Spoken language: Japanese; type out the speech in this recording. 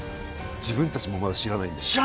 自分たちもまだ知らないんで。